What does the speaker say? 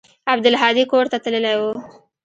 عبدالهادي کور ته تللى و.